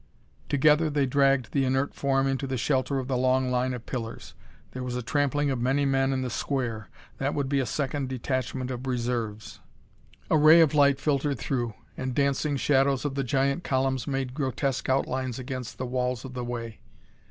Together they dragged the inert form into the shelter of the long line of pillars. There was a trampling of many men in the square. That would be a second detachment of reserves. A ray of light filtered through and dancing shadows of the giant columns made grotesque outlines against the walls of the Way.